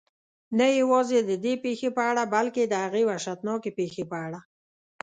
نه یوازې ددې پېښې په اړه بلکې د هغې وحشتناکې پېښې په اړه.